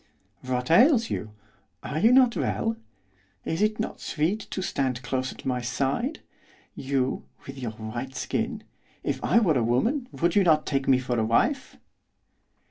'What ails you? Are you not well? Is it not sweet to stand close at my side? You, with your white skin, if I were a woman, would you not take me for a wife?